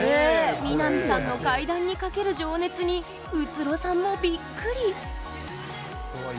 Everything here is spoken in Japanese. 美波さんの怪談にかける情熱に宇津呂さんもびっくり！